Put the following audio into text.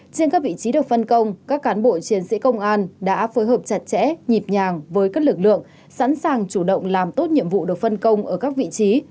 trên các vị trí được phân công các cán bộ chiến sĩ công an đã phối hợp chặt chẽ nhịp nhàng với các lực lượng sẵn sàng chủ động làm tốt nhiệm vụ được phân công ở các vị trí